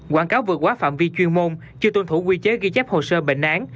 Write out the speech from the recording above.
quảng cáo vượt quá phạm vi chuyên môn chưa tuân thủ quy chế ghi chép hồ sơ bệnh án